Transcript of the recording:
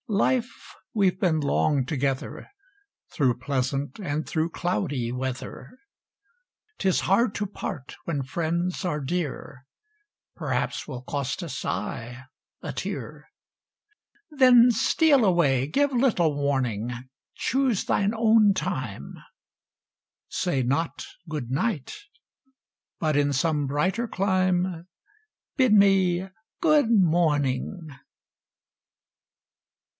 Life! We've been long together, Through pleasant and through cloudy weather; 'Tis hard to part when friends are dear; Perhaps will cost a sigh, a tear; Then steal away, give little warning, Choose thine own time; Say not "Good Night" but in some brighter clime, Bid me "Good Morning!"